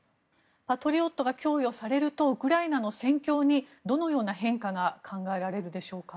パトリオットが供与されるとウクライナの戦況にどのような変化が考えられるでしょうか。